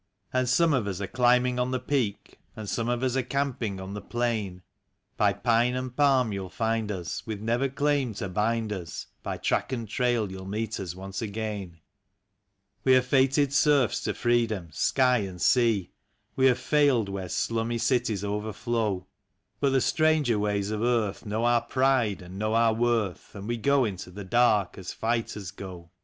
And some of us are climbing on the peak, And some of us are camping on the plain ; By pine and palm you'll find us, with never claim to bind us, By track and trail 3'ou'll meet us once again. 74 THE RHYME OF THE RESTLESS ONES. We are fated serfs to freedom — sky and sea ; We have failed where slummy cities overflow; But the stranger ways of earth know our pride and know our worth, And we go into the dark as fighters go.